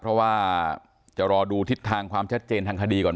เพราะว่าจะรอดูทิศทางความชัดเจนทางคดีก่อน